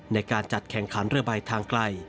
ในการจัดแข่งขันเรือใบทางไกล